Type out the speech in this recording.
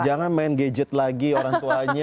jangan main gadget lagi orang tuanya